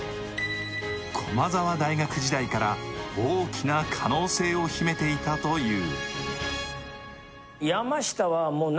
駒澤大学時代から大きな可能性を秘めていたという。